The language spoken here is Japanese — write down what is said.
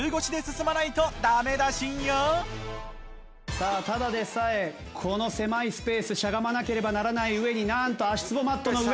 さあただでさえこの狭いスペース。しゃがまなければならない上になんと足つぼマットの上。